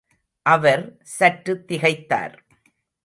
அவர் சற்று திகைத்தார்.